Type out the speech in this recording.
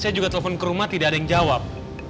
saya juga telepon ke rumah tidak ada yang jawab